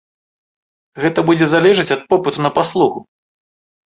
Гэта будзе залежаць ад попыту на паслугу.